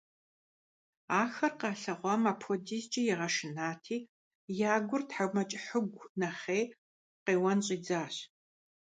Ахэр къалъэгъуам апхэдизкӀэ игъэшынати, я гур тхьэкӀумэкӀыхьыгу нэхъей, къеуэн щӀидзащ.